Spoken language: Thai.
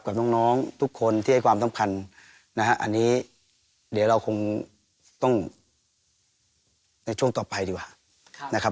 กับน้องทุกคนที่ให้ความสำคัญนะฮะอันนี้เดี๋ยวเราคงต้องในช่วงต่อไปดีกว่านะครับ